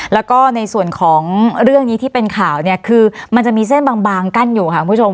แล้วก็ในส่วนของเรื่องนี้ที่เป็นข่าวเนี่ยคือมันจะมีเส้นบางกั้นอยู่ค่ะคุณผู้ชม